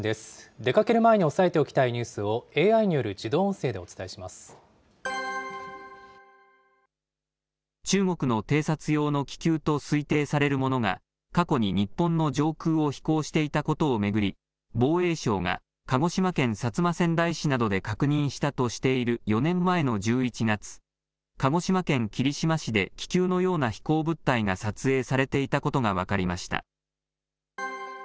出かける前に押さえておきたいニュースをＡＩによる自動音声でお中国の偵察用の気球と推定されるものが、過去に日本の上空を飛行していたことを巡り、防衛省が鹿児島県薩摩川内市などで確認したとしている４年前の１１月、鹿児島県霧島市で気球のような飛行物体が撮影されていたことが分かりました。